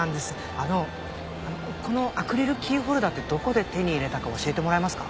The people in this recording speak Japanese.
あのこのアクリルキーホルダーってどこで手に入れたか教えてもらえますか？